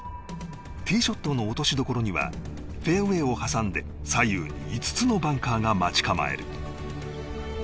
ティーショットの落としどころにはフェアウェーを挟んで左右５つのバンカーが待ち構える。